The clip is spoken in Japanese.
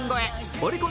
オリコン